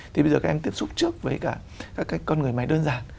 thì bây giờ các em tiếp xúc trước với cả các con người máy đơn giản